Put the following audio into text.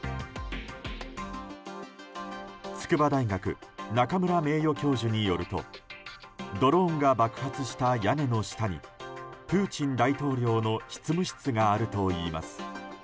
筑波大学・中村名誉教授によるとドローンが爆発した屋根の下にプーチン大統領の執務室があるといいます。